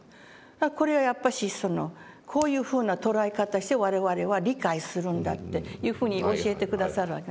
これはやっぱしこういうふうな捉え方して我々は理解するんだというふうに教えて下さるわけ。